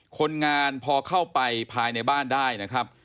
คนงานพอเข้าไปภายในบ้านได้นะครับ